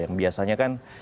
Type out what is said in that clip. yang biasanya kan